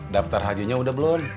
daptar hajinya udah belum